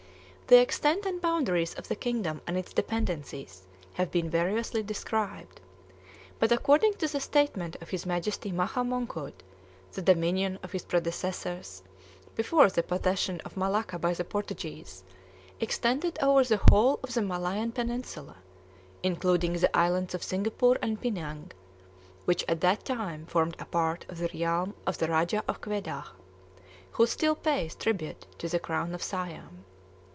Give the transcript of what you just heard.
The extent and boundaries of the kingdom and its dependencies have been variously described; but according to the statement of his Majesty Maha Mongkut, the dominion of his predecessors, before the possession of Malacca by the Portuguese, extended over the whole of the Malayan peninsula, including the islands of Singapore and Pinang, which at that time formed a part of the realm of the Rajah of Quedah, who still pays tribute to the crown of Siam.